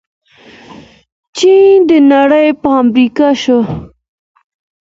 چین د نړۍ فابریکه شوه.